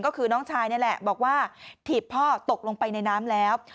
ก็คือน้องชายนี่แหละบอกว่าถีบพ่อตกลงไปในน้ำแล้ว